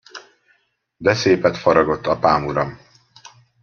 De szépet faragott apámuram!